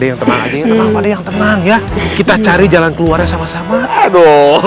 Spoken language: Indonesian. yang tenang tenang ya kita cari jalan keluarnya sama sama aduh